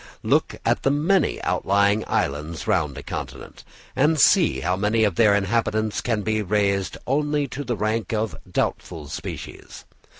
Look at the many outlying islands round a continent, and see how many of their inhabitants can be raised only to the rank of doubtful species.